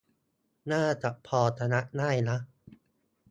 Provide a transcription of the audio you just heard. น่าจะพอชนะได้นะ